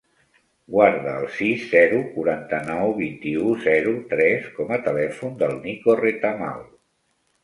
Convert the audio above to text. Guarda el sis, zero, quaranta-nou, vint-i-u, zero, tres com a telèfon del Nico Retamal.